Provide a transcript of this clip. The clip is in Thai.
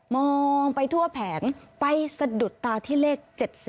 มองไปทั่วแผงไปสะดุดตาที่เลข๗๒